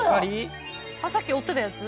さっき追ってたやつ？